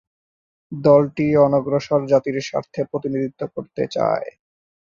দলটি অনগ্রসর জাতি স্বার্থের প্রতিনিধিত্ব করতে চায়।